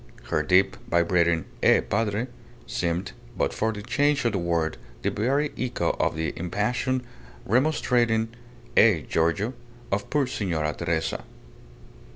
Her deep, vibrating "Eh, Padre?" seemed, but for the change of the word, the very echo of the impassioned, remonstrating "Eh, Giorgio?" of poor Signora Teresa.